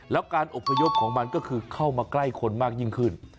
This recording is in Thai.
แล้วการอบพยพของมันก็คือเข้ามาใกล้คนมากยิ่งขึ้น